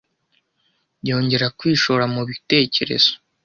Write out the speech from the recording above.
Yongera kwishora mu bitekerezo.